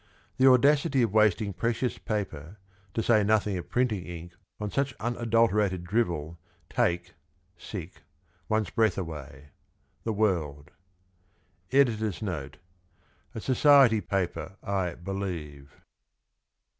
The audacity of wasting precious paper, to say nothing of printing ink, on such unadulterated drivel take one's breath away. — The World. [Editor's Note.— A society paper, I believe.